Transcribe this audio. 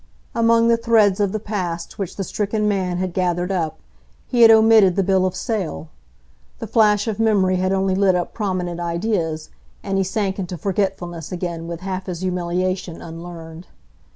Among the threads of the past which the stricken man had gathered up, he had omitted the bill of sale; the flash of memory had only lit up prominent ideas, and he sank into forgetfulness again with half his humiliation unlearned.